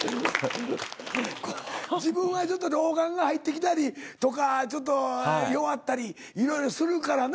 自分はちょっと老眼が入ってきたりとかちょっと弱ったりいろいろするからな。